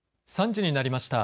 ３時になりました。